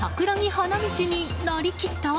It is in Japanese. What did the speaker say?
花道になりきった？